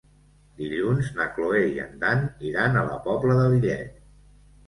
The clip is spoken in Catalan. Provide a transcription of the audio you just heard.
Dilluns na Cloè i en Dan iran a la Pobla de Lillet.